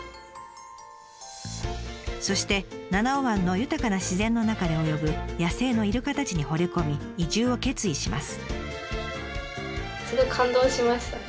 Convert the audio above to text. そして七尾湾の豊かな自然の中で泳ぐ野生のイルカたちにほれ込み移住を決意します。